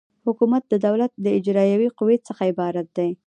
حکومت د دولت له اجرایوي قوې څخه عبارت دی.